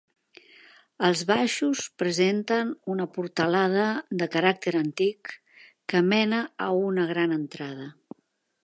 Els baixos presenten una portalada de caràcter antic que mena a una gran entrada.